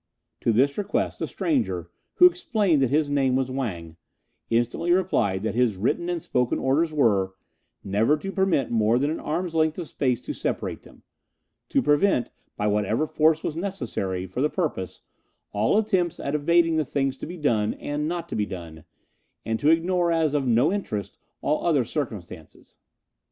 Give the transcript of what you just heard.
To this request the stranger, who explained that his name was Wang, instantly replied that his written and spoken orders were: never to permit more than an arm's length of space to separate them; to prevent, by whatever force was necessary for the purpose, all attempts at evading the things to be done and not to be done, and to ignore as of no interest all other circumstances.